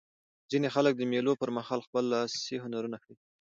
ځیني خلک د مېلو پر مهال خپل لاسي هنرونه ښيي.